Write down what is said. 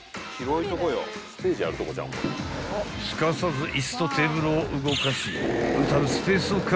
［すかさず椅子とテーブルを動かし］